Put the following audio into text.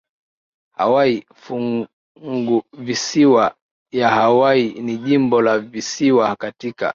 Hawaii Funguvisiwa ya Hawaii ni jimbo la visiwani katika